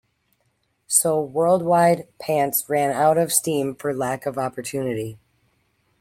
So Worldwide Pants ran out of steam for lack of opportunity.